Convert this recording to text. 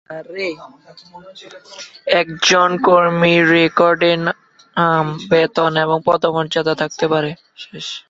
একজন কর্মী রেকর্ডে নাম, বেতন এবং পদমর্যাদা থাকতে পারে।